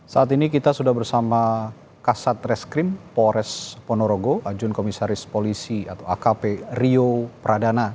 saat ini kita sudah bersama kasat reskrim polres ponorogo ajun komisaris polisi atau akp rio pradana